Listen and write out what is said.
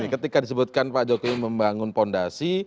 ketika disebutkan pak jokowi membangun fondasi